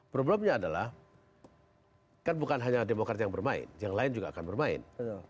problemnya adalah kan bukan hanya demokrat yang bermain yang lain juga akan bermain